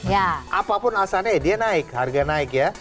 ya apapun alasannya dia naik harga naik ya